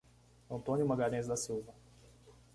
Antônio Magalhaes da Silva